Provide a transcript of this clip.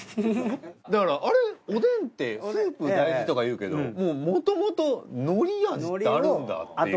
だからあれおでんってスープ大事とかいうけどもうもともとのり味ってあるんだっていう。